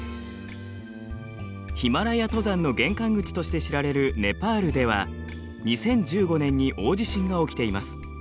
ヒマラヤ登山の玄関口として知られるネパールでは２０１５年に大地震が起きています。